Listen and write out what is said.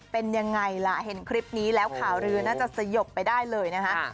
เป็นยังไงล่ะเห็นคลิปนี้แล้วข่าวลือน่าจะสยบไปได้เลยนะคะ